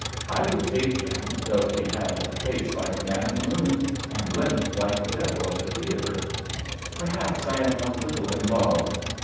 " I would take him though he had a face like the man in the moon, and limped like the devil at the theatre. Perhaps I am a little in love.